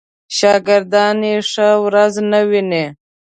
شاګردان یې ښه ورځ نه ویني.